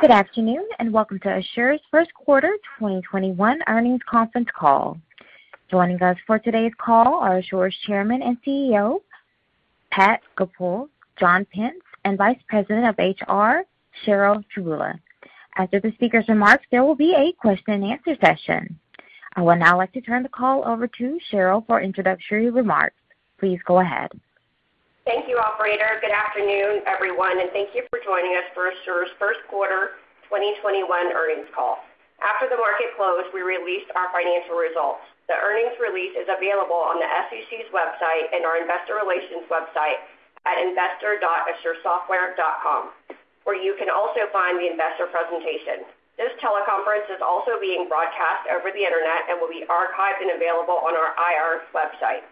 Good afternoon, and welcome to Asure's First Quarter 2021 Earnings Conference Call. Joining us for today's call are Asure's Chairman and CEO, Pat Goepel, John Pence, and Vice President of HR, Cheryl Trbula. After the speaker's remarks, there will be a question-and-answer session. I would now like to turn the call over to Cheryl for introductory remarks. Please go ahead. Thank you, operator. Good afternoon, everyone. Thank you for joining us for Asure's first quarter 2021 earnings call. After the market closed, we released our financial results. The earnings release is available on the SEC's website and our Investor Relations website at investor.asuresoftware.com, where you can also find the investor presentation. This teleconference is also being broadcast over the internet and will be archived and available on our IR website.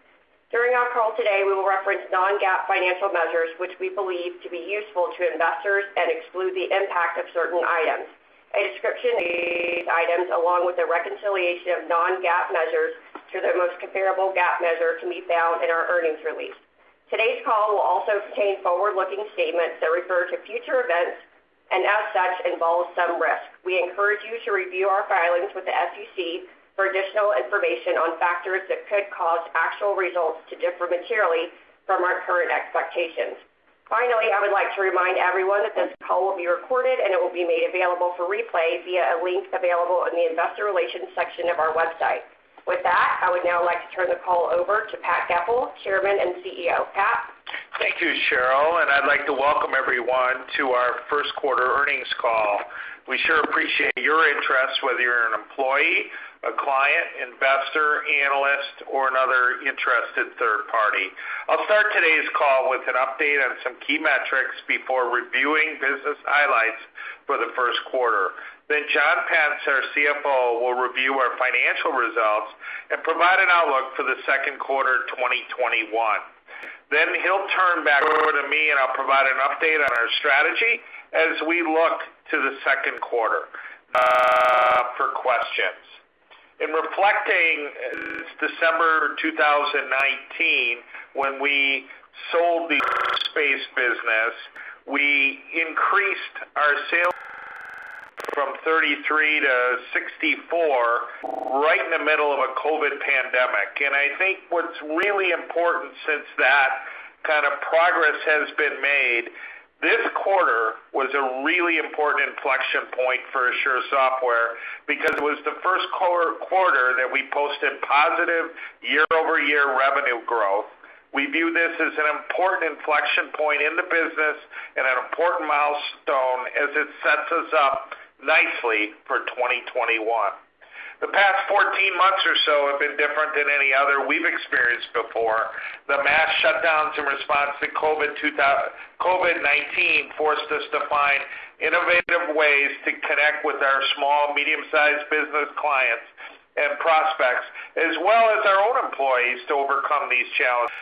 During our call today, we will reference non-GAAP financial measures, which we believe to be useful to investors and exclude the impact of certain items. A description of these items, along with a reconciliation of non-GAAP measures to their most comparable GAAP measure, can be found in our earnings release. Today's call will also contain forward-looking statements that refer to future events and as such, involve some risk. We encourage you to review our filings with the SEC for additional information on factors that could cause actual results to differ materially from our current expectations. Finally, I would like to remind everyone that this call will be recorded, and it will be made available for replay via a link available in the Investor Relations section of our website. With that, I would now like to turn the call over to Pat Goepel, Chairman and CEO. Pat? Thank you, Cheryl. I'd like to welcome everyone to our first quarter earnings call. We sure appreciate your interest, whether you're an employee, a client, investor, analyst, or another interested third party. I'll start today's call with an update on some key metrics before reviewing business highlights for the first quarter. John Pence, our CFO, will review our financial results and provide an outlook for the second quarter 2021. He'll turn back over to me, and I'll provide an update on our strategy as we look to the second quarter for questions. In reflecting December 2019, when we sold the Workspace business, we increased our sales from 33 to 64 right in the middle of a COVID-19 pandemic. I think what's really important since that kind of progress has been made, this quarter was a really important inflection point for Asure Software because it was the first quarter that we posted positive year-over-year revenue growth. We view this as an important inflection point in the business and an important milestone as it sets us up nicely for 2021. The past 14 months or so have been different than any other we've experienced before. The mass shutdowns in response to COVID-19 forced us to find innovative ways to connect with our small, medium-sized business clients and prospects, as well as our own employees, to overcome these challenges.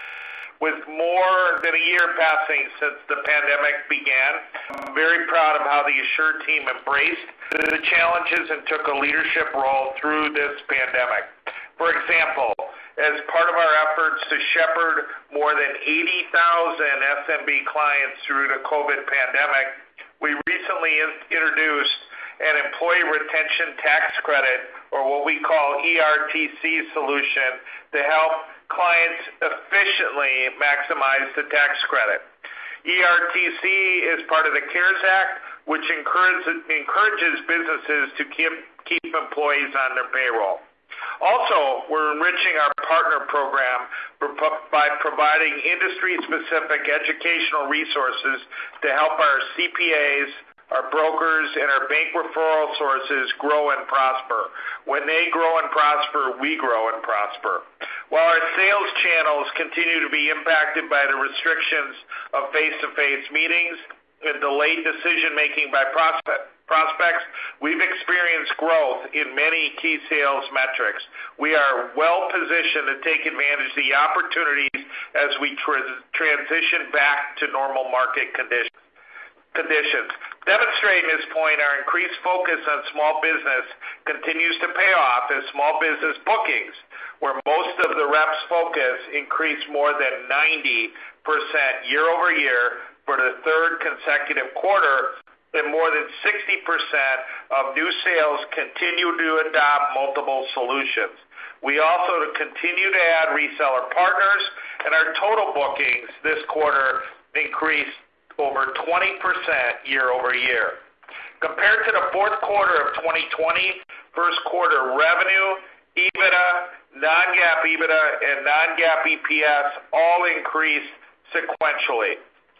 With more than a year passing since the pandemic began, I'm very proud of how the Asure team embraced the challenges and took a leadership role through this pandemic. For example, as part of our efforts to shepherd more than 80,000 SMB clients through the COVID pandemic, we recently introduced an employee retention tax credit, or what we call ERTC solution, to help clients efficiently maximize the tax credit. ERTC is part of the CARES Act, which encourages businesses to keep employees on their payroll. Also, we're enriching our partner program by providing industry-specific educational resources to help our CPAs, our brokers, and our bank referral sources grow and prosper. When they grow and prosper, we grow and prosper. While our sales channels continue to be impacted by the restrictions of face-to-face meetings and delayed decision-making by prospects, we've experienced growth in many key sales metrics. We are well positioned to take advantage of the opportunities as we transition back to normal market conditions. Demonstrating this point, our increased focus on small business continues to pay off as small business bookings, where most of the reps focus, increased more than 90% year-over-year for the third consecutive quarter, and more than 60% of new sales continue to adopt multiple solutions. We also continue to add reseller partners. Our total bookings this quarter increased over 20% year-over-year. Compared to the fourth quarter of 2020, first quarter revenue, EBITDA, non-GAAP EBITDA, and non-GAAP EPS all increased sequentially.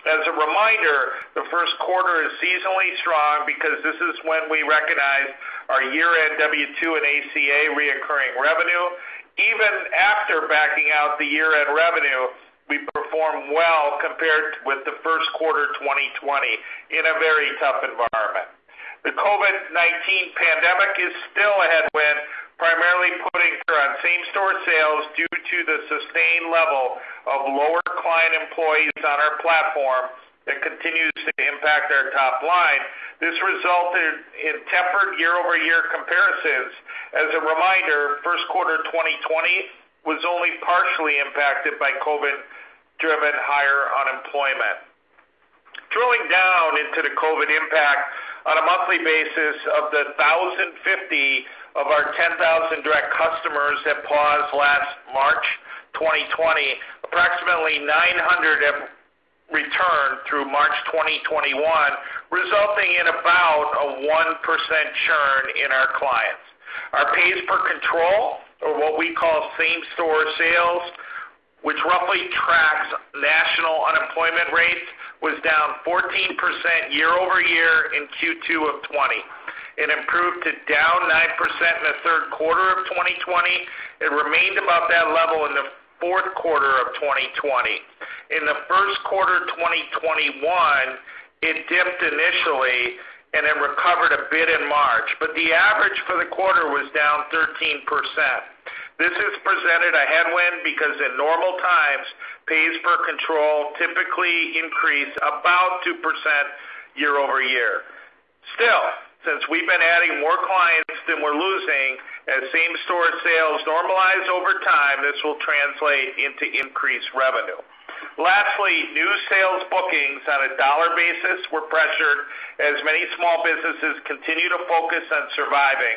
As a reminder, the first quarter is seasonally strong because this is when we recognize our year-end W-2 and ACA reoccurring revenue. Even after backing out the year-end revenue, we performed well compared with the first quarter 2020 in a very tough environment. The COVID-19 pandemic is still a headwind, primarily putting on same-store sales due to the sustained level of lower client employees on our platform that continues to impact our top line. This resulted in tempered year-over-year comparisons. As a reminder, first quarter 2020 was only partially impacted by COVID-driven higher unemployment. Monthly basis of the 1,050 of our 10,000 direct customers that paused last March 2020, approximately 900 have returned through March 2021, resulting in about a 1% churn in our clients. Our pays per control, or what we call same-store sales, which roughly tracks national unemployment rates, was down 14% year-over-year in Q2 2020. It improved to down 9% in the third quarter of 2020. It remained above that level in the fourth quarter of 2020. In the first quarter of 2021, it dipped initially and then recovered a bit in March, but the average for the quarter was down 13%. This has presented a headwind because in normal times, pays per control typically increase about 2% year-over-year. Since we've been adding more clients than we're losing, as same-store sales normalize over time, this will translate into increased revenue. Lastly, new sales bookings on a dollar basis were pressured as many small businesses continue to focus on surviving,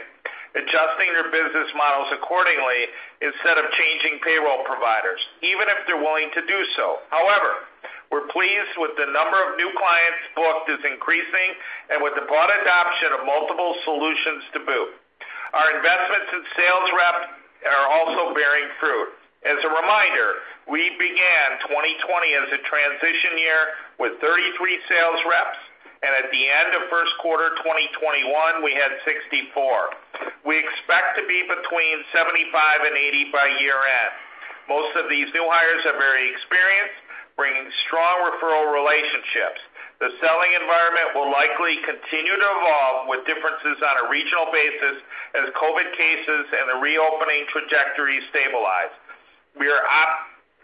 adjusting their business models accordingly instead of changing payroll providers, even if they're willing to do so. We're pleased with the number of new clients booked is increasing and with the broad adoption of multiple solutions to boot. Our investments in sales reps are also bearing fruit. As a reminder, we began 2020 as a transition year with 33 sales reps, and at the end of first quarter 2021, we had 64. We expect to be between 75 and 80 by year-end. Most of these new hires are very experienced, bringing strong referral relationships. The selling environment will likely continue to evolve with differences on a regional basis as COVID cases and the reopening trajectory stabilize. We are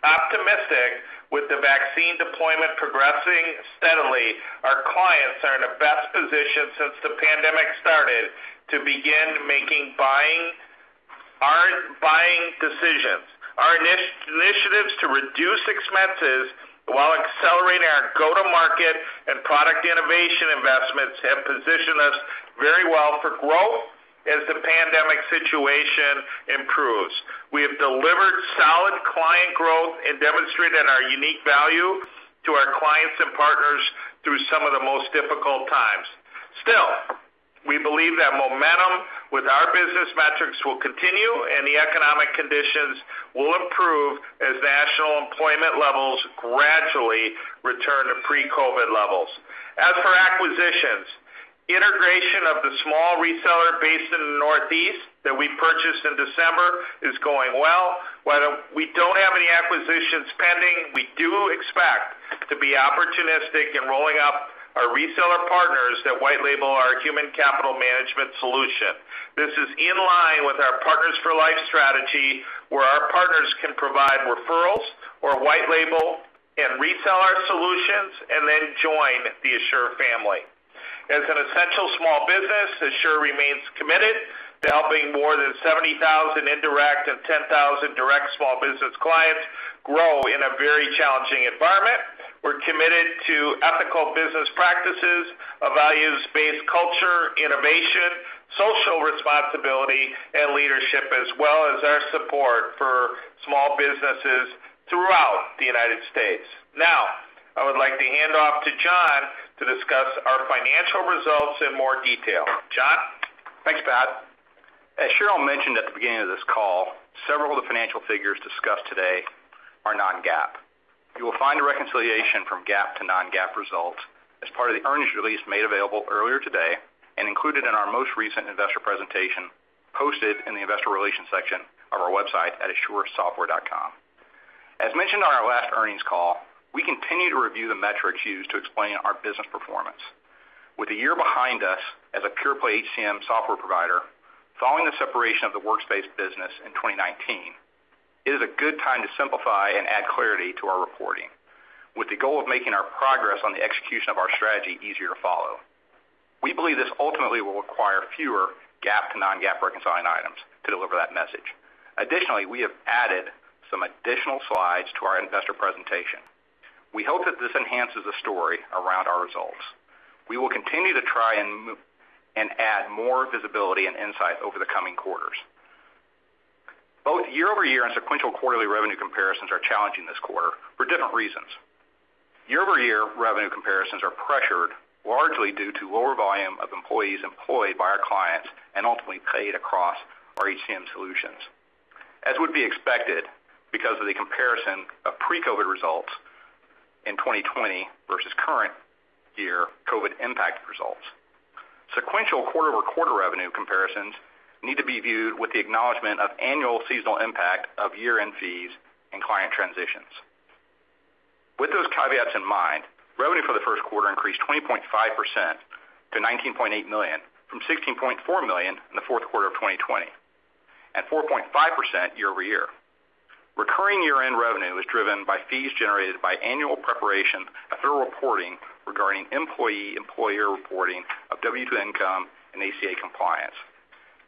optimistic with the vaccine deployment progressing steadily, our clients are in the best position since the pandemic started to begin making our buying decisions. Our initiatives to reduce expenses while accelerating our go-to-market and product innovation investments have positioned us very well for growth as the pandemic situation improves. We have delivered solid client growth and demonstrated our unique value to our clients and partners through some of the most difficult times. Still, we believe that momentum with our business metrics will continue and the economic conditions will improve as national employment levels gradually return to pre-COVID levels. As for acquisitions, integration of the small reseller based in the Northeast that we purchased in December is going well. While we don't have any acquisition spending, we do expect to be opportunistic in rolling up our reseller partners that white label our human capital management solution. This is in line with our Partner for Life strategy, where our partners can provide referrals or white label and resell our solutions and then join the Asure family. As an essential small business, Asure remains committed to helping more than 70,000 indirect and 10,000 direct small business clients grow in a very challenging environment. We're committed to ethical business practices, a values-based culture, innovation, social responsibility, and leadership, as well as our support for small businesses throughout the U.S. I would like to hand off to John to discuss our financial results in more detail. John? Thanks, Pat. As Cheryl mentioned at the beginning of this call, several of the financial figures discussed today are non-GAAP. You will find a reconciliation from GAAP to non-GAAP results as part of the earnings release made available earlier today and included in our most recent investor presentation posted in the Investor Relations section of our website at asuresoftware.com. As mentioned on our last earnings call, we continue to review the metrics used to explain our business performance. With a year behind us as a pure-play HCM software provider, following the separation of the Workspace business in 2019, it is a good time to simplify and add clarity to our reporting, with the goal of making our progress on the execution of our strategy easier to follow. We believe this ultimately will require fewer GAAP to non-GAAP reconciling items to deliver that message. Additionally, we have added some additional slides to our investor presentation. We hope that this enhances the story around our results. We will continue to try and add more visibility and insight over the coming quarters. Both year-over-year and sequential quarterly revenue comparisons are challenging this quarter for different reasons. Year-over-year revenue comparisons are pressured largely due to lower volume of employees employed by our clients and ultimately paid across our HCM solutions, as would be expected because of the comparison of pre-COVID results in 2020 versus current year COVID impacted results. Sequential quarter-over-quarter revenue comparisons need to be viewed with the acknowledgement of annual seasonal impact of year-end fees and client transitions. With those caveats in mind, revenue for the first quarter increased 20.5% to $19.8 million from $16.4 million in the fourth quarter of 2020, and 4.5% year-over-year. Recurring year-end revenue was driven by fees generated by annual preparation and thorough reporting regarding employee-employer reporting of W-2 income and ACA compliance.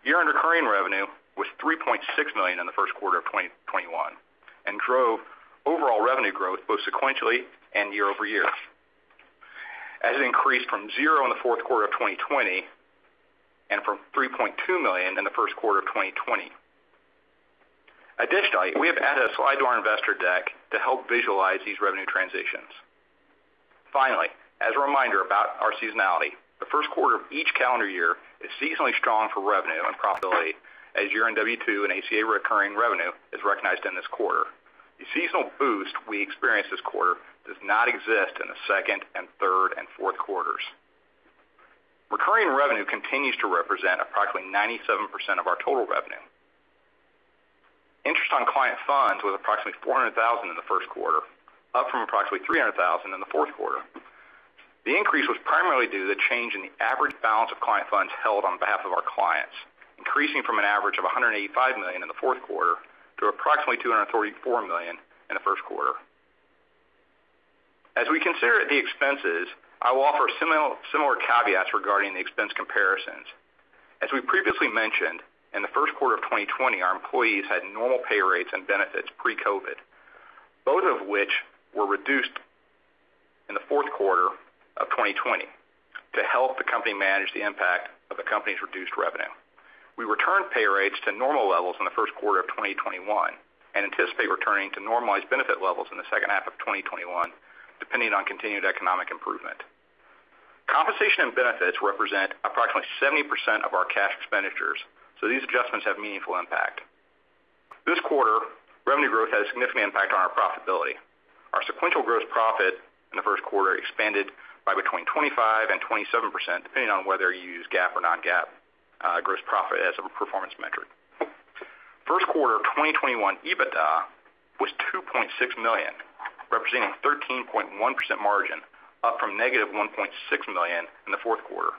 Year-end recurring revenue was $3.6 million in the first quarter of 2021, and drove overall revenue growth both sequentially and year-over-year. As it increased from $0 in the fourth quarter of 2020, and from $3.2 million in the first quarter of 2020. Additionally, we have added a slide to our investor deck to help visualize these revenue transitions. Finally, as a reminder about our seasonality, the first quarter of each calendar year is seasonally strong for revenue and profitability, as year-end W-2 and ACA recurring revenue is recognized in this quarter. The seasonal boost we experienced this quarter does not exist in the second and third and fourth quarters. Recurring revenue continues to represent approximately 97% of our total revenue. Interest on client funds was approximately $400,000 in the first quarter, up from approximately $300,000 in the fourth quarter. The increase was primarily due to the change in the average balance of client funds held on behalf of our clients, increasing from an average of $185 million in the fourth quarter to approximately $234 million in the first quarter. As we consider the expenses, I will offer similar caveats regarding the expense comparisons. As we previously mentioned, in the first quarter of 2020, our employees had normal pay rates and benefits pre-COVID, both of which were reduced in the fourth quarter of 2020 to help the company manage the impact of the company's reduced revenue. We returned pay rates to normal levels in the first quarter of 2021 and anticipate returning to normalized benefit levels in the second half of 2021, depending on continued economic improvement. Compensation and benefits represent approximately 70% of our cash expenditures, so these adjustments have meaningful impact. This quarter, revenue growth had a significant impact on our profitability. Our sequential gross profit in the first quarter expanded by between 25% and 27%, depending on whether you use GAAP or non-GAAP gross profit as a performance metric. First quarter of 2021 EBITDA was $2.6 million, representing a 13.1% margin up from -$1.6 million in the fourth quarter.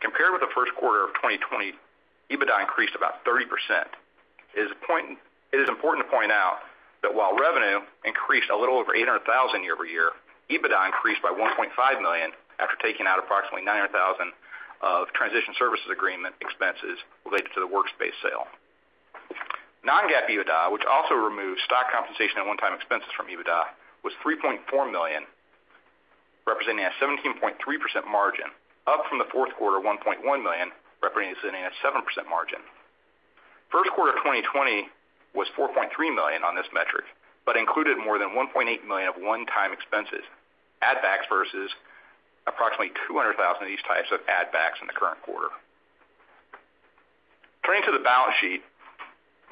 Compared with the first quarter of 2020, EBITDA increased about 30%. It is important to point out that while revenue increased a little over $800,000 year-over-year, EBITDA increased by $1.5 million after taking out approximately $900,000 of transition services agreement expenses related to the Workspace sale. Non-GAAP EBITDA, which also removes stock compensation and one-time expenses from EBITDA, was $3.4 million, representing a 17.3% margin up from the fourth quarter $1.1 million, representing a 7% margin. First quarter 2020 was $4.3 million on this metric, but included more than $1.8 million of one-time expenses, add backs versus approximately $200,000 of these types of add backs in the current quarter. Turning to the balance sheet,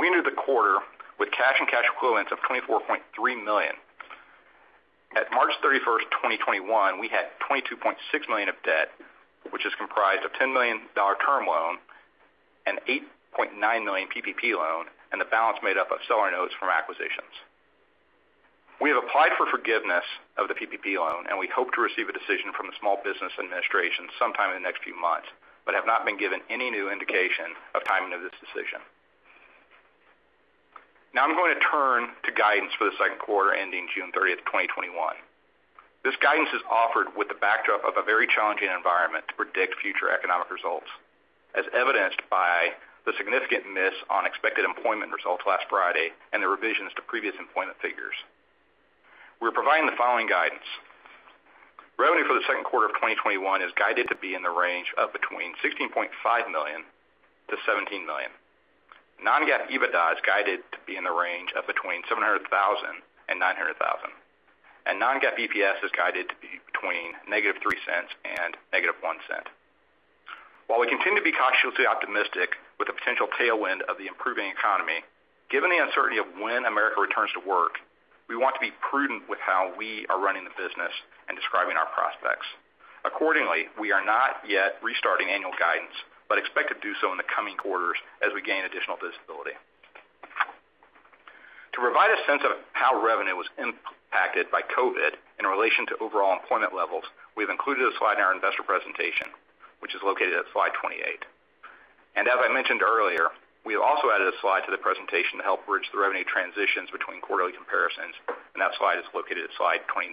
we entered the quarter with cash and cash equivalents of $24.3 million. At March 31st, 2021, we had $22.6 million of debt, which is comprised of a $10 million term loan, an $8.9 million PPP loan, and the balance made up of seller notes from acquisitions. We have applied for forgiveness of the PPP loan. We hope to receive a decision from the Small Business Administration sometime in the next few months. Have not been given any new indication of timing of this decision. I'm going to turn to guidance for the second quarter ending June 30th, 2021. This guidance is offered with the backdrop of a very challenging environment to predict future economic results, as evidenced by the significant miss on expected employment results last Friday and the revisions to previous employment figures. We're providing the following guidance. Revenue for the second quarter of 2021 is guided to be in the range of between $16.5 million-$17 million. Non-GAAP EBITDA is guided to be in the range of between $700,000 and $900,000. non-GAAP EPS is guided to be between -$0.03 and -$0.01. While we continue to be cautiously optimistic with the potential tailwind of the improving economy, given the uncertainty of when America returns to work, we want to be prudent with how we are running the business and describing our prospects. Accordingly, we are not yet restarting annual guidance, but expect to do so in the coming quarters as we gain additional visibility. To provide a sense of how revenue was impacted by COVID in relation to overall employment levels, we've included a slide in our investor presentation, which is located at slide 28. As I mentioned earlier, we have also added a slide to the presentation to help bridge the revenue transitions between quarterly comparisons, and that slide is located at slide 29.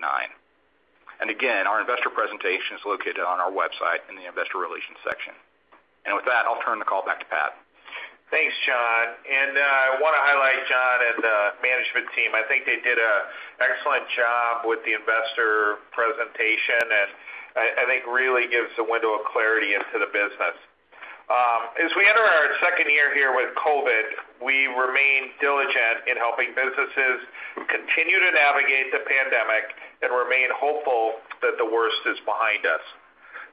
Again, our investor presentation is located on our website in the Investor Relations section. With that, I'll turn the call back to Pat. Thanks, John. I want to highlight John and the management team. I think they did an excellent job with the investor presentation, and I think really gives a window of clarity into the business. As we enter our second year here with COVID-19, we remain diligent in helping businesses who continue to navigate the pandemic and remain hopeful that the worst is behind us.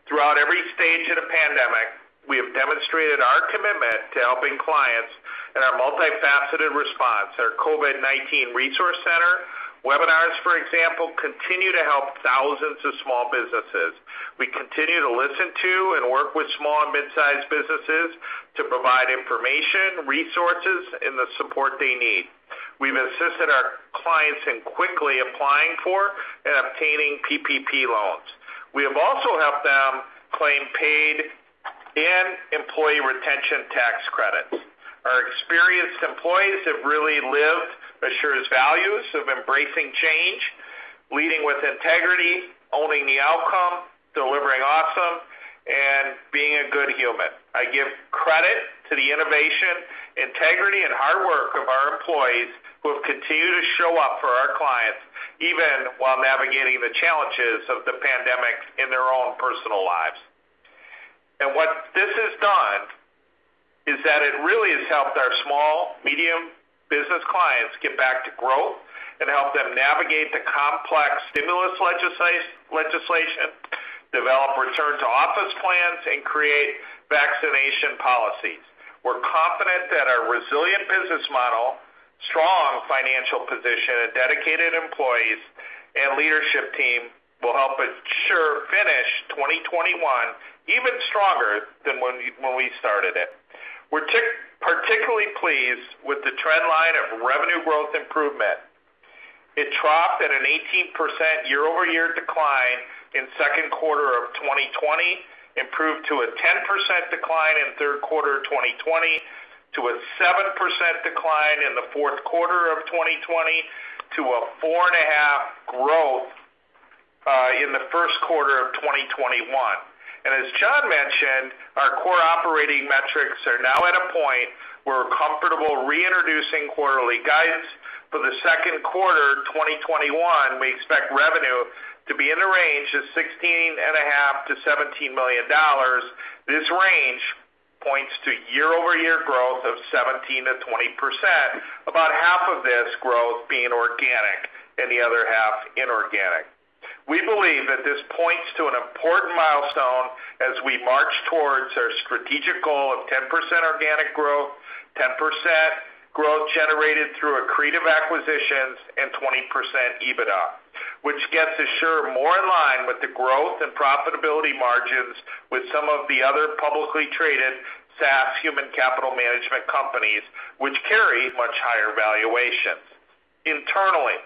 Throughout every stage of the pandemic, we have demonstrated our commitment to helping clients in our multifaceted response. Our COVID-19 resource center, webinars, for example, continue to help thousands of small businesses. We continue to listen to and work with small and mid-sized businesses to provide information, resources, and the support they need. We've assisted our clients in quickly applying for and obtaining PPP loans. We have also helped them claim paid and Employee Retention Tax Credits. Experienced employees have really lived Asure's values of embracing change, leading with integrity, owning the outcome, delivering awesome, and being a good human. I give credit to the innovation, integrity, and hard work of our employees who have continued to show up for our clients, even while navigating the challenges of the pandemic in their own personal lives. What this has done is that it really has helped our small, medium business clients get back to growth and helped them navigate the complex stimulus legislation, develop return-to-office plans, and create vaccination policies. We're confident that our resilient business model, strong financial position, and dedicated employees and leadership team will help Asure finish 2021 even stronger than when we started it. We're particularly pleased with the trend line of revenue growth improvement. It dropped at an 18% year-over-year decline in second quarter of 2020, improved to a 10% decline in third quarter 2020, to a 7% decline in the fourth quarter of 2020, to a 4.5% growth in the first quarter of 2021. As John mentioned, our core operating metrics are now at a point we're comfortable reintroducing quarterly guidance. For the second quarter 2021, we expect revenue to be in the range of $16.5 million-$17 million. This range points to year-over-year growth of 17%-20%, about half of this growth being organic and the other half inorganic. We believe that this points to an important milestone as we march towards our strategic goal of 10% organic growth, 10% growth generated through accretive acquisitions, and 20% EBITDA. Which gets Asure more in line with the growth and profitability margins with some of the other publicly traded SaaS human capital management companies, which carry much higher valuations. Internally,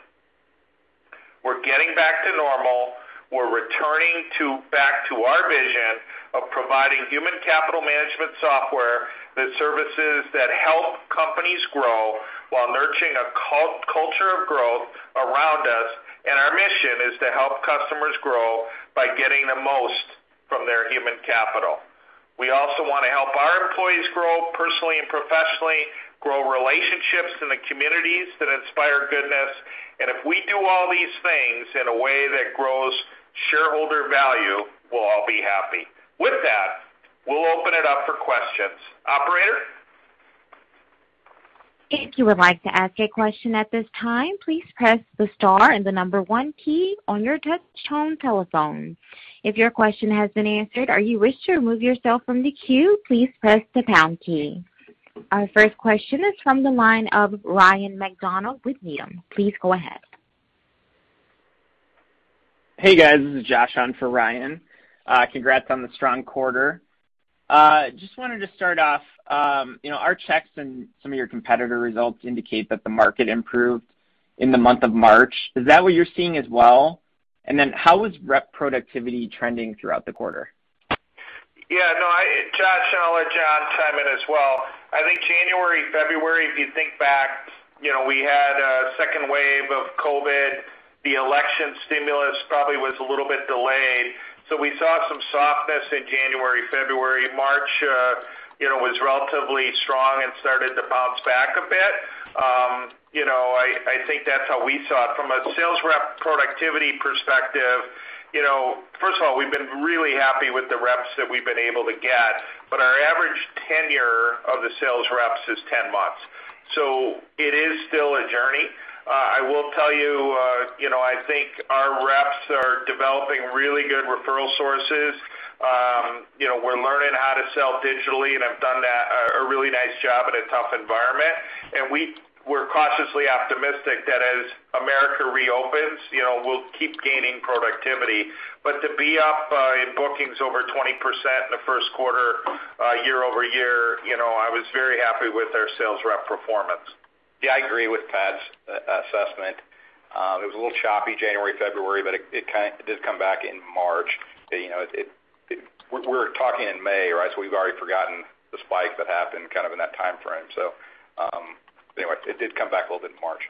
we're getting back to normal. We're returning back to our vision of providing human capital management software and services that help companies grow while nurturing a culture of growth around us. Our mission is to help customers grow by getting the most from their human capital. We also want to help our employees grow personally and professionally, grow relationships in the communities that inspire goodness. If we do all these things in a way that grows shareholder value, we'll all be happy. With that, we'll open it up for questions. Operator? Our first question is from the line of Ryan MacDonald with Needham. Please go ahead. Hey, guys. This is Josh on for Ryan. Congrats on the strong quarter. Just wanted to start off, our checks and some of your competitor results indicate that the market improved in the month of March. Is that what you're seeing as well? How was rep productivity trending throughout the quarter? Yeah, no, Josh, and I'll let John chime in as well. I think January, February, if you think back, we had a second wave of COVID-19. The election stimulus probably was a little bit delayed. We saw some softness in January, February. March was relatively strong and started to bounce back a bit. I think that's how we saw it. From a sales rep productivity perspective, first of all, we've been really happy with the reps that we've been able to get, our average tenure of the sales reps is 10 months. It is still a journey. I will tell you, I think our reps are developing really good referral sources. We're learning how to sell digitally and have done a really nice job in a tough environment. We're cautiously optimistic that as America reopens, we'll keep gaining productivity. To be up in bookings over 20% in the first quarter year-over-year, I was very happy with our sales rep performance. Yeah, I agree with Pat's assessment. It was a little choppy January, February, but it did come back in March. We're talking in May, right? We've already forgotten the spike that happened in that timeframe. Anyway, it did come back a little bit in March.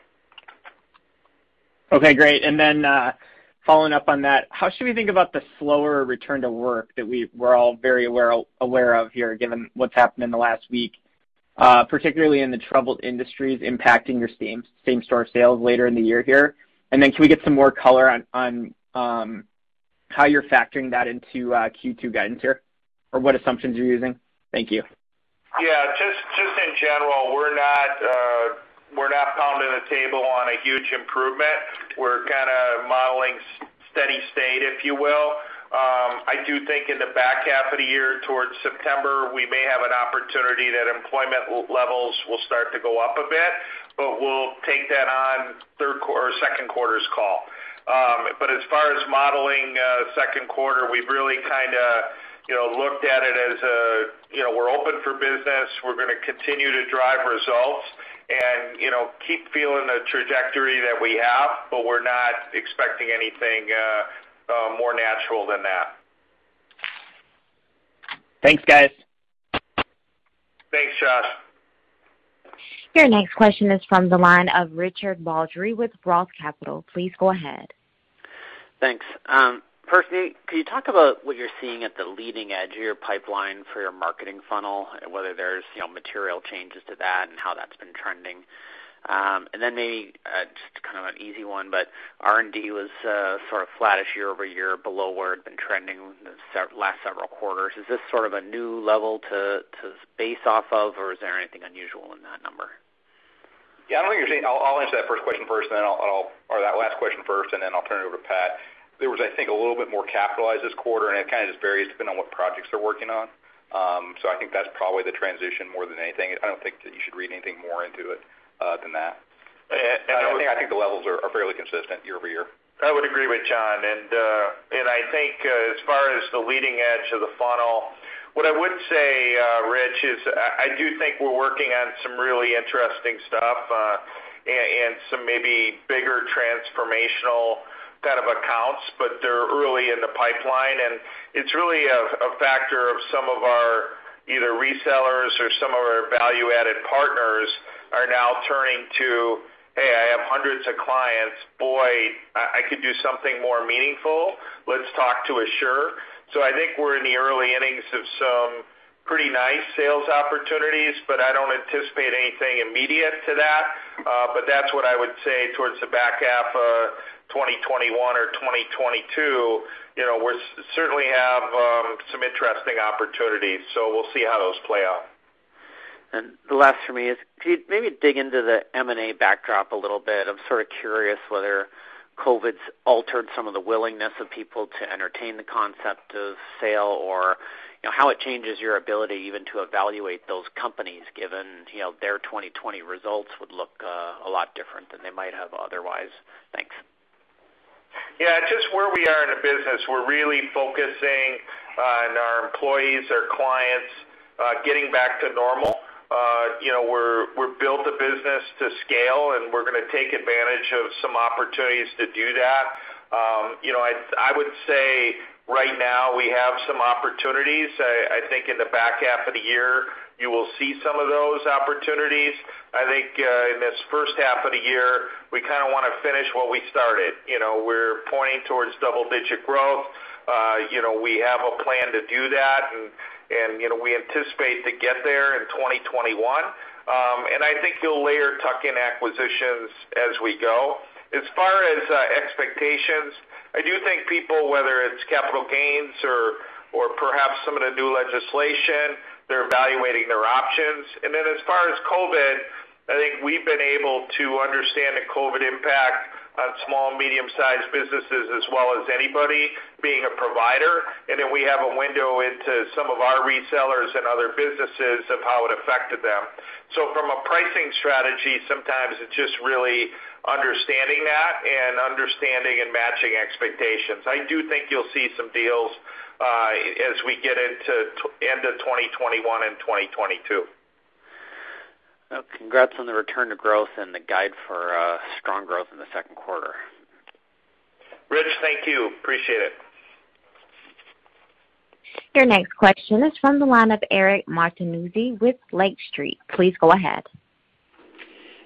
Okay, great. Following up on that, how should we think about the slower return to work that we're all very aware of here, given what's happened in the last week, particularly in the troubled industries impacting your same-store sales later in the year here? Can we get some more color on how you're factoring that into Q2 guidance here? Or what assumptions you're using? Thank you. Yeah. Just in general, we're not pounding the table on a huge improvement. We're modeling steady state, if you will. I do think in the back half of the year towards September, we may have an opportunity that employment levels will start to go up a bit. We'll take that on second quarter's call. As far as modeling second quarter, we've really looked at it as we're open for business, we're going to continue to drive results and keep feeling the trajectory that we have, but we're not expecting anything more natural than that. Thanks, guys. Thanks, Josh. Your next question is from the line of Richard Baldry with Roth Capital. Please go ahead. Thanks. Firstly, could you talk about what you're seeing at the leading edge of your pipeline for your marketing funnel, and whether there's material changes to that and how that's been trending? Then maybe, just an easy one, but R&D was sort of flattish year-over-year below where it had been trending the last several quarters. Is this sort of a new level to base off of, or is there anything unusual in that number? Yeah. I'll answer that last question first, and then I'll turn it over to Pat. There was, I think, a little bit more capitalized this quarter, and it kind of just varies depending on what projects they're working on. I think that's probably the transition more than anything. I don't think that you should read anything more into it than that. I think the levels are fairly consistent year-over-year. I would agree with John. I think as far as the leading edge of the funnel, what I would say, Rich, is I do think we're working on some really interesting stuff, and some maybe bigger transformational kind of accounts, but they're early in the pipeline, and it's really a factor of some of our either resellers or some of our value-added partners are now turning to, "Hey, I have hundreds of clients. Boy, I could do something more meaningful. Let's talk to Asure." I think we're in the early innings of some pretty nice sales opportunities, but I don't anticipate anything immediate to that. That's what I would say towards the back half of 2021 or 2022. We certainly have some interesting opportunities. We'll see how those play out. The last for me is, could you maybe dig into the M&A backdrop a little bit? I'm sort of curious whether COVID's altered some of the willingness of people to entertain the concept of sale or how it changes your ability even to evaluate those companies, given their 2020 results would look a lot different than they might have otherwise. Thanks. Yeah. Just where we are in the business, we're really focusing on our employees, our clients, getting back to normal. We've built a business to scale, and we're going to take advantage of some opportunities to do that. I would say right now we have some opportunities. I think in the back half of the year, you will see some of those opportunities. I think in this first half of the year, we kind of want to finish what we started. We're pointing towards double-digit growth. We have a plan to do that, and we anticipate to get there in 2021. I think you'll later tuck in acquisitions as we go. As far as expectations, I do think people, whether it's capital gains or perhaps some of the new legislation, they're evaluating their options. As far as COVID, I think we've been able to understand the COVID impact on small, medium-sized businesses as well as anybody being a provider. We have a window into some of our resellers and other businesses of how it affected them. From a pricing strategy, sometimes it's just really understanding that and understanding and matching expectations. I do think you'll see some deals as we get into end of 2021 and 2022. Well, congrats on the return to growth and the guide for strong growth in the second quarter. Rich, thank you. Appreciate it. Your next question is from the line of Eric Martinuzzi with Lake Street. Please go ahead.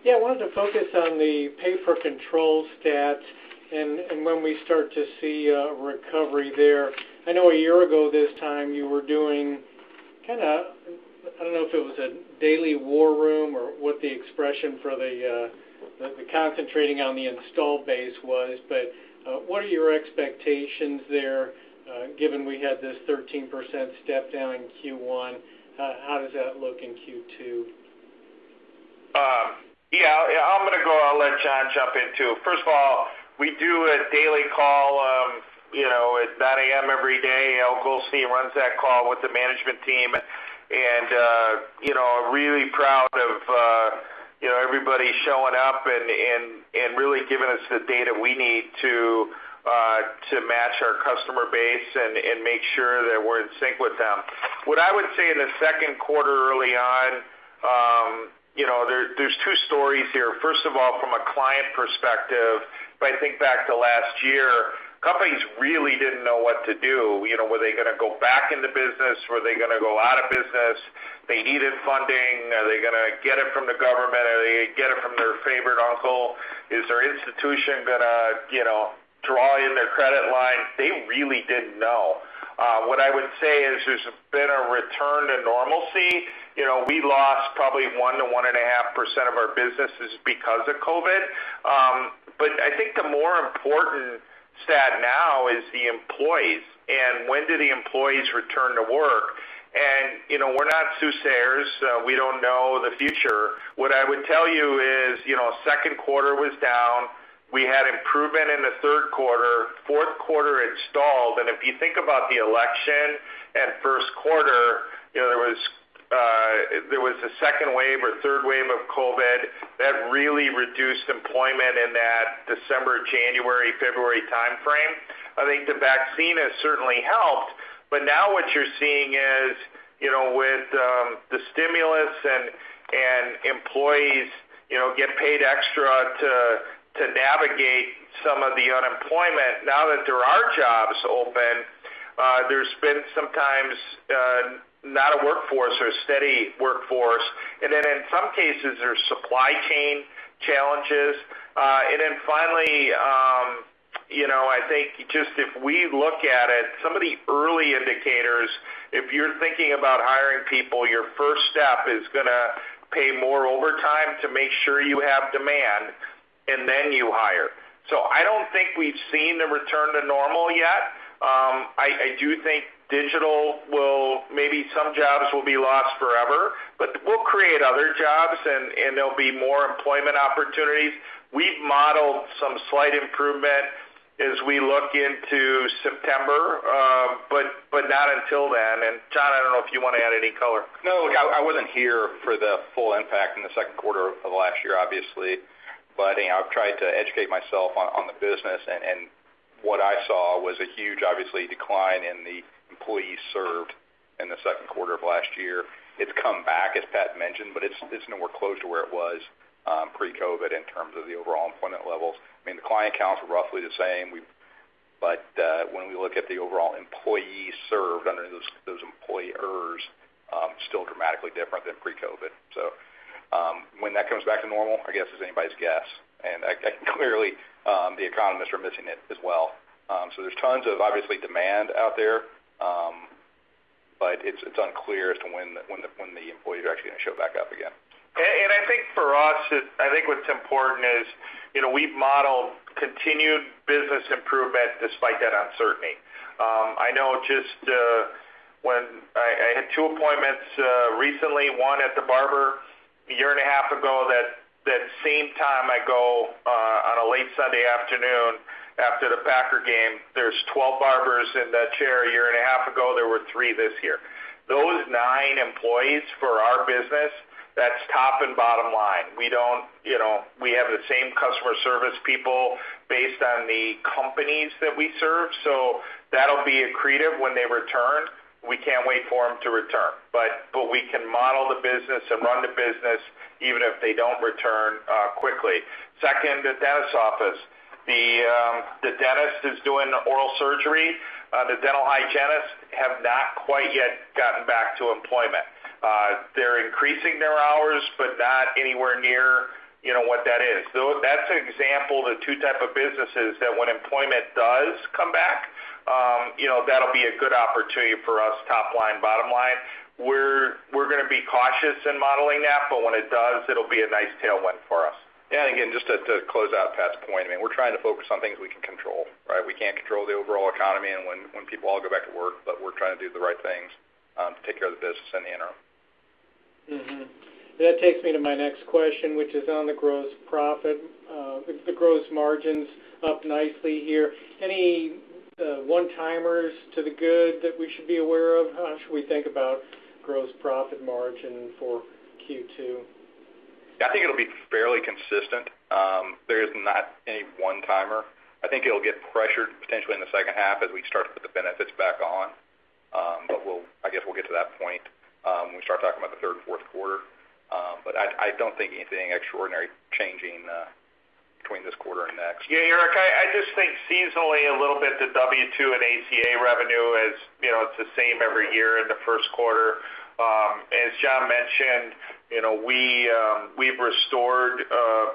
Yeah, I wanted to focus on the pays per control stats and when we start to see a recovery there. I know a year ago this time you were doing, I don't know if it was a daily war room or what the expression for the concentrating on the install base was, but what are your expectations there, given we had this 13% step down in Q1? How does that look in Q2? I'm going to go. I'll let John jump in, too. First of all, we do a daily call at 9:00 A.M. every day. Eyal Goldstein runs that call with the management team, and really proud of everybody showing up and really giving us the data we need to match our customer base and make sure that we're in sync with them. What I would say in the second quarter early on, there's two stories here. First of all, from a client perspective, if I think back to last year, companies really didn't know what to do. Were they going to go back into business? Were they going to go out of business? They needed funding. Are they going to get it from the government? Are they going to get it from their favorite uncle? Is their institution going to draw in their credit line? They really didn't know. What I would say is there's been a return to normalcy. We lost probably 1% to 1.5% of our businesses because of COVID. I think the more important stat now is the employees, and when do the employees return to work. We're not soothsayers. We don't know the future. What I would tell you is second quarter was down. We had improvement in the third quarter. Fourth quarter installed, and if you think about the election and first quarter, there was a second wave or third wave of COVID that really reduced employment in that December, January, February timeframe. I think the vaccine has certainly helped, but now what you're seeing is with the stimulus and employees get paid extra to navigate some of the unemployment. Now that there are jobs open, there's been sometimes not a workforce or steady workforce, in some cases, there's supply chain challenges. Finally, I think just if we look at it, some of the early indicators, if you're thinking about hiring people, your first step is going to pay more overtime to make sure you have demand, and then you hire. I don't think we've seen the return to normal yet. I do think digital will maybe some jobs will be lost forever. We'll create other jobs, and there'll be more employment opportunities. We've modeled some slight improvement as we look into September, but not until then. John, I don't know if you want to add any color. I wasn't here for the full impact in the second quarter of last year, obviously. I've tried to educate myself on the business, and what I saw was a huge, obviously, decline in the employees served in the second quarter of last year. It's come back, as Pat mentioned, but it's nowhere close to where it was pre-COVID in terms of the overall employment levels. The client counts were roughly the same, when we look at the overall employees served under those employers, still dramatically different than pre-COVID. When that comes back to normal, I guess it's anybody's guess. Clearly, the economists are missing it as well. There's tons of obviously demand out there, it's unclear as to when the employees are actually going to show back up again. I think for us, I think what's important is, we've modeled continued business improvement despite that uncertainty. I know just when I had two appointments recently, one at the barber a year and a half ago, that same time I go on a late Sunday afternoon after the Packer game, there's 12 barbers in the chair a year and a half ago, there were three this year. Those nine employees for our business, that's top and bottom line. We have the same customer service people based on the companies that we serve, that'll be accretive when they return. We can't wait for them to return. We can model the business and run the business even if they don't return quickly. Second, the dentist office. The dentist is doing oral surgery. The dental hygienists have not quite yet gotten back to employment. They're increasing their hours, not anywhere near what that is. That's an example of two types of businesses that when employment does come back, that'll be a good opportunity for us top line, bottom line. We're going to be cautious in modeling that, when it does, it'll be a nice tailwind for us. Again, just to close out Pat's point, we're trying to focus on things we can control, right? We can't control the overall economy and when people all go back to work, but we're trying to do the right things to take care of the business in the interim. Mm-hmm. That takes me to my next question, which is on the gross profit. With the gross margins up nicely here, any one-timers to the good that we should be aware of? How should we think about gross profit margin for Q2? I think it'll be fairly consistent. There is not any one-timer. I think it'll get pressured potentially in the second half as we start to put the benefits back on. I guess we'll get to that point when we start talking about the third and fourth quarter. I don't think anything extraordinary changing between this quarter and next. Eric, I just think seasonally a little bit the W-2 and ACA revenue is the same every year in the first quarter. As John mentioned, we've restored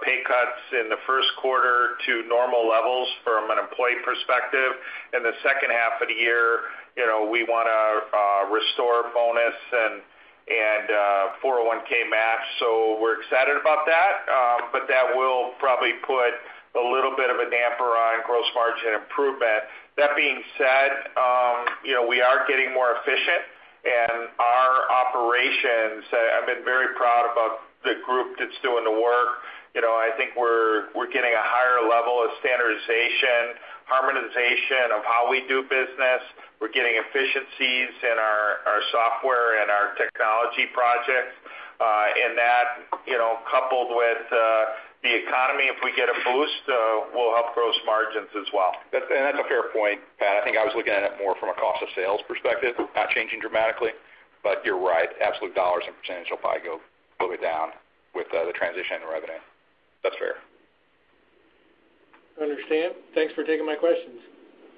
pay cuts in the first quarter to normal levels from an employee perspective. In the second half of the year, we want to restore bonus and 401(k) match. We're excited about that. That will probably put a little bit of a damper on gross margin improvement. That being said, we are getting more efficient and our operations, I've been very proud about the group that's doing the work. I think we're getting a higher level of standardization, harmonization of how we do business. We're getting efficiencies in our software and our technology projects. That, coupled with the economy, if we get a boost, will help gross margins as well. That's a fair point, Pat. I think I was looking at it more from a cost of sales perspective, not changing dramatically. You're right. Absolute dollars and percentage will probably go a little bit down with the transition in revenue. That's fair. Understand. Thanks for taking my questions.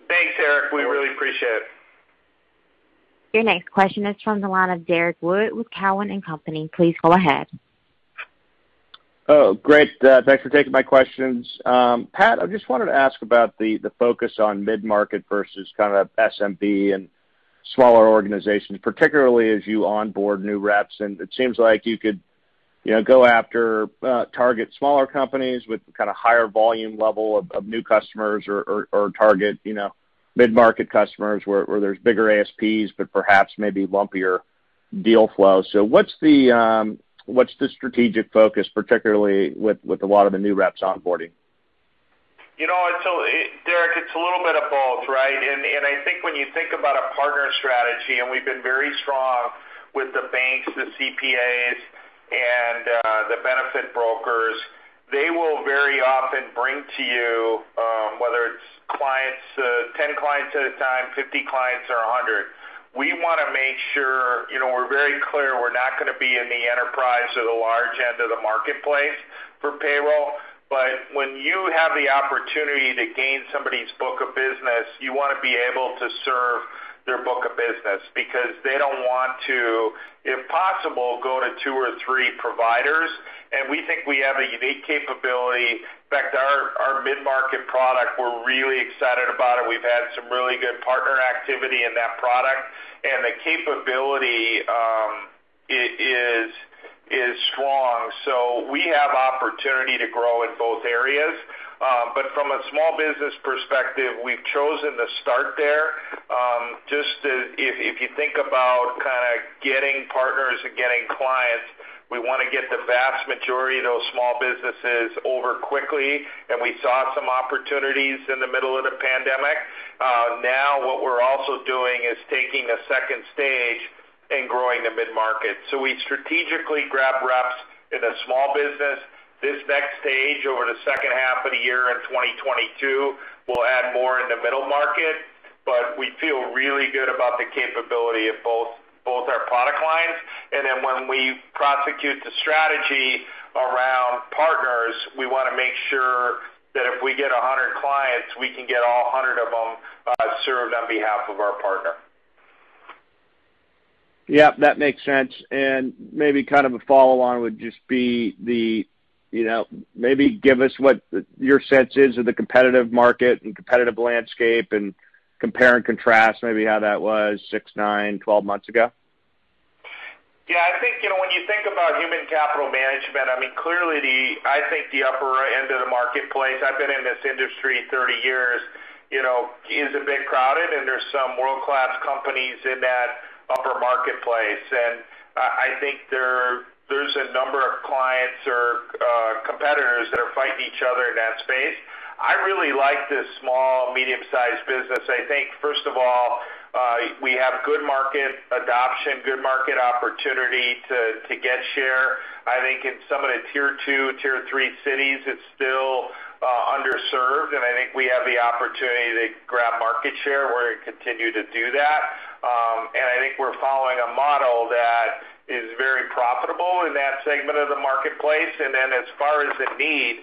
Thanks, Eric. We really appreciate it. Your next question is from the line of Derrick Wood with Cowen and Company. Please go ahead. Oh, great. Thanks for taking my questions. Pat, I just wanted to ask about the focus on mid-market versus kind of SMB and smaller organizations, particularly as you onboard new reps. It seems like you could go after target smaller companies with kind of higher volume level of new customers or target mid-market customers where there's bigger ASPs, but perhaps maybe lumpier deal flow. What's the strategic focus, particularly with a lot of the new reps onboarding? Derrick, it's a little bit of both, right? I think when you think about a partner strategy, and we've been very strong with the banks, the CPAs, and the benefit brokers, they will very often bring to you 10 clients at a time, 50 clients, or 100. We want to make sure we're very clear we're not going to be in the enterprise or the large end of the marketplace for payroll. When you have the opportunity to gain somebody's book of business, you want to be able to serve their book of business because they don't want to, if possible, go to two or three providers. We think we have a unique capability. In fact, our mid-market product, we're really excited about it. We've had some really good partner activity in that product, and the capability is strong. We have opportunity to grow in both areas. From a small business perspective, we've chosen to start there. If you think about getting partners and getting clients, we want to get the vast majority of those small businesses over quickly, and we saw some opportunities in the middle of the pandemic. What we're also doing is taking a second stage in growing the mid-market. We strategically grab reps in a small business. This next stage, over the second half of the year in 2022, we'll add more in the middle market. We feel really good about the capability of both our product lines. When we prosecute the strategy around partners, we want to make sure that if we get 100 clients, we can get all 100 of them served on behalf of our partner. Yeah, that makes sense. Maybe kind of a follow-on would just be maybe give us what your sense is of the competitive market and competitive landscape, and compare and contrast maybe how that was six, nine, 12 months ago? Yeah, I think when you think about human capital management, clearly I think the upper end of the marketplace, I've been in this industry 30 years, is a bit crowded. There's some world-class companies in that upper marketplace. I think there's a number of clients or competitors that are fighting each other in that space. I really like this small, medium-sized business. I think, first of all, we have good market adoption, good market opportunity to get share. I think in some of the Tier 2, Tier 3 cities, it's still underserved. I think we have the opportunity to grab market share. We're going to continue to do that. I think we're following a model that is very profitable in that segment of the marketplace. As far as the need,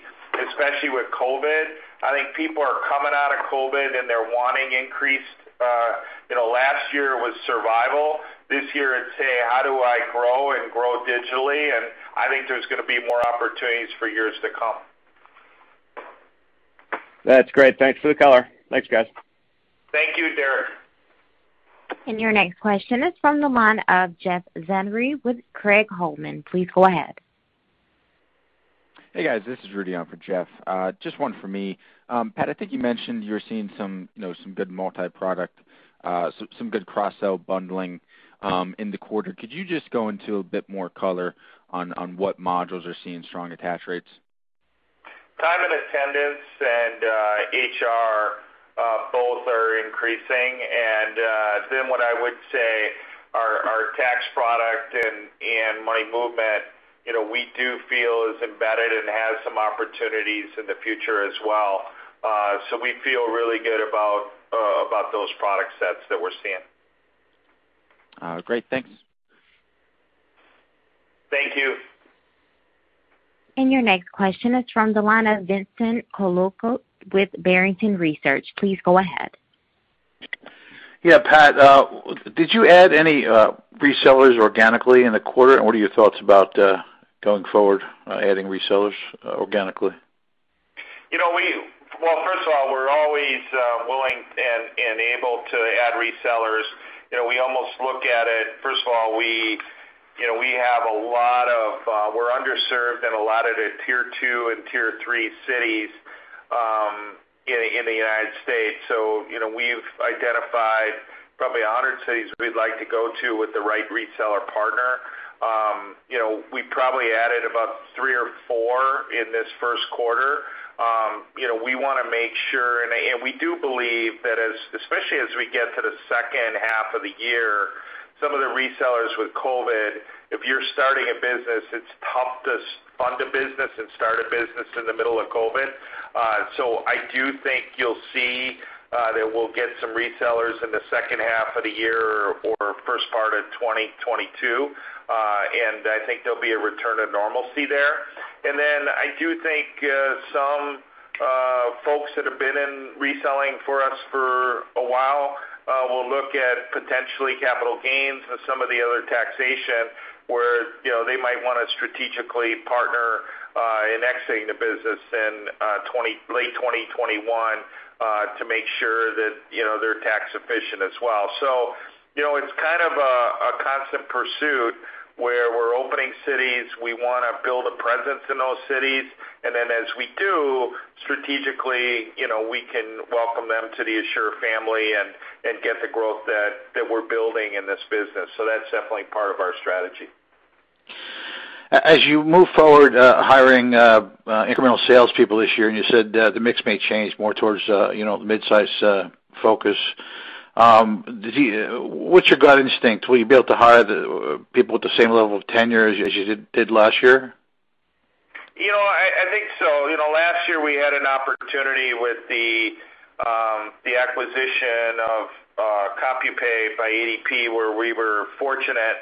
especially with COVID, I think people are coming out of COVID, and they're wanting increased. Last year it was survival. This year, it's saying, "How do I grow and grow digitally?" I think there's going to be more opportunities for years to come. That's great. Thanks for the color. Thanks, guys. Thank you, Derrick. Your next question is from the line of Jeff Van Rhee with Craig-Hallum. Please go ahead. Hey, guys, this is Rudy on for Jeff. Just one for me. Pat, I think you mentioned you're seeing some good multi-product, some good cross-sell bundling in the quarter. Could you just go into a bit more color on what modules are seeing strong attach rates? Time and attendance and HR both are increasing. What I would say, our tax product and Money Movement, we do feel is embedded and has some opportunities in the future as well. We feel really good about those product sets that we're seeing. Great. Thanks. Thank you. Your next question is from the line of Vincent Colicchio with Barrington Research. Please go ahead. Yeah, Pat, did you add any resellers organically in the quarter, and what are your thoughts about going forward adding resellers organically? Well, first of all, we're always willing and able to add resellers. We almost look at it first of all, we're underserved in a lot of the Tier 2 and Tier 3 cities in the U.S. We've identified probably 100 cities we'd like to go to with the right reseller partner. We probably added about three or four in this first quarter. We want to make sure, and we do believe that especially as we get to the second half of the year, some of the resellers with COVID, if you're starting a business, it's tough to fund a business and start a business in the middle of COVID. I do think you'll see that we'll get some resellers in the second half of the year or first part of 2022. I think there'll be a return to normalcy there. I do think some folks that have been in reselling for us for a while will look at potentially capital gains and some of the other taxation where they might want to strategically partner in exiting the business in late 2021 to make sure that they're tax efficient as well. It's kind of a constant pursuit where we're opening cities, we want to build a presence in those cities, and then as we do, strategically, we can welcome them to the Asure family and get the growth that we're building in this business. That's definitely part of our strategy. As you move forward hiring incremental salespeople this year, and you said the mix may change more towards the mid-size focus, what's your gut instinct? Will you be able to hire the people with the same level of tenure as you did last year? I think so. Last year we had an opportunity with the acquisition of CompuPay by ADP, where we were fortunate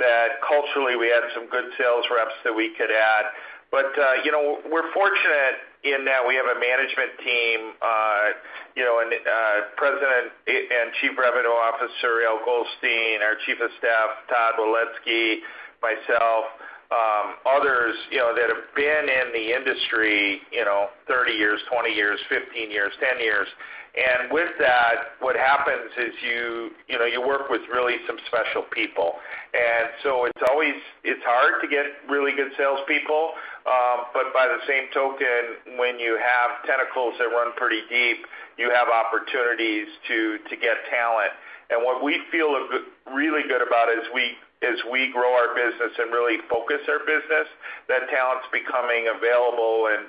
that culturally we had some good sales reps that we could add. We're fortunate in that we have a management team, and President and Chief Revenue Officer, Eyal Goldstein, our Chief of Staff, Todd Waletzki, myself, others that have been in the industry 30 years, 20 years, 15 years, 10 years. With that, what happens is you work with really some special people. It's hard to get really good salespeople, but by the same token, when you have tentacles that run pretty deep, you have opportunities to get talent. What we feel really good about as we grow our business and really focus our business, that talent's becoming available and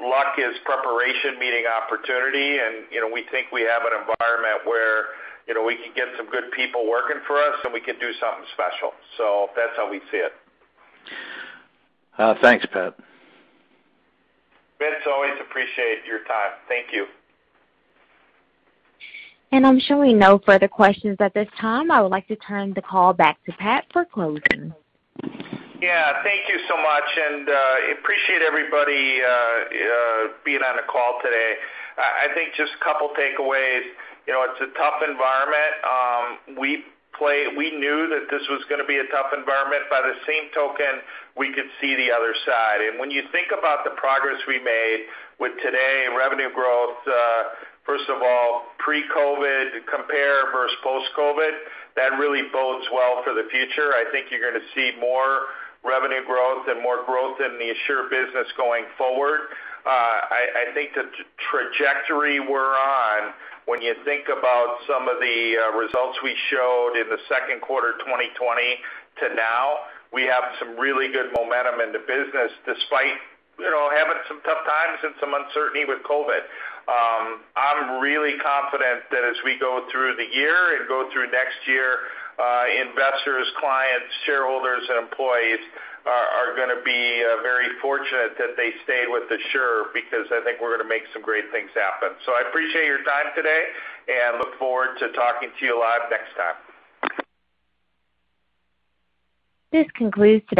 luck is preparation meeting opportunity. We think we have an environment where we can get some good people working for us, and we can do something special. That's how we see it. Thanks, Pat. Vince, always appreciate your time. Thank you. I'm showing no further questions at this time. I would like to turn the call back to Pat for closing. Yeah. Thank you so much. Appreciate everybody being on the call today. I think just a couple takeaways. It's a tough environment. We knew that this was going to be a tough environment. By the same token, we could see the other side. When you think about the progress we made with today in revenue growth, first of all, pre-COVID compare versus post-COVID, that really bodes well for the future. I think you're going to see more revenue growth and more growth in the Asure business going forward. I think the trajectory we're on, when you think about some of the results we showed in the second quarter 2020 to now, we have some really good momentum in the business despite having some tough times and some uncertainty with COVID. I'm really confident that as we go through the year and go through next year, investors, clients, shareholders, and employees are going to be very fortunate that they stayed with Asure because I think we're going to make some great things happen. I appreciate your time today and look forward to talking to you live next time. This concludes today's.